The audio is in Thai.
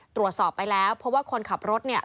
ตรวจสอบไปแล้วเพราะว่าคนขับรถเนี่ย